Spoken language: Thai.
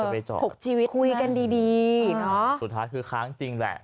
ใครจะไปจอดนะคุยกันดีเนอะสุดท้ายคือค้างจริงแหละ